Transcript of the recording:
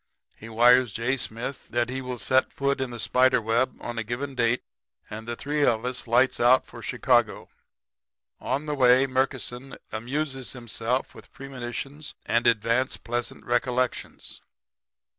He wires J. Smith that he will set foot in the spider web on a given date; and the three of us lights out for Chicago. "On the way Murkison amuses himself with premonitions and advance pleasant recollections.